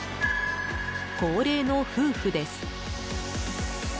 高齢の夫婦です。